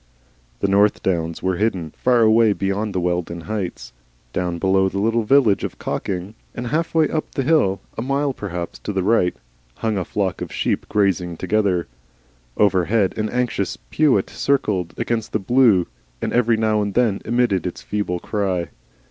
The North Downs were hidden, far away beyond the Wealden Heights. Down below was the little village of Cocking, and half way up the hill, a mile perhaps to the right, hung a flock of sheep grazing together. Overhead an anxious peewit circled against the blue, and every now and then emitted its feeble cry.